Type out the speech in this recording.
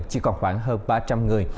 chỉ còn khoảng hơn ba trăm linh người